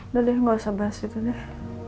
udah deh gak usah bahas itu deh